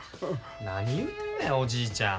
何言うてるのやおじいちゃん。